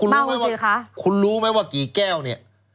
นะคะคุณรู้ไหมว่ากี่แก้วเนี่ย